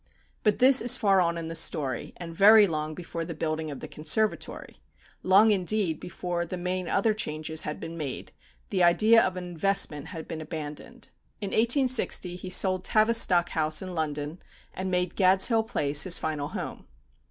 But this is far on in the story; and very long before the building of the conservatory, long indeed before the main other changes had been made, the idea of an investment had been abandoned. In 1860 he sold Tavistock House, in London, and made Gad's Hill Place his final home.